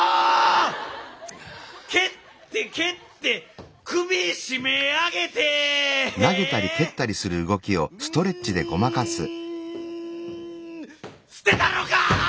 蹴って蹴って首絞め上げてん捨てたろか！